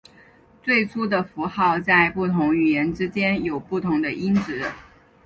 最初的符号在不同语言之间有不同的音值。